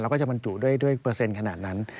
แล้วก็จะบรรจุด้วยเปอร์เซ็นต์ขนาดนั้น